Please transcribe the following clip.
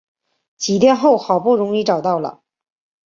几天后好不容易找到了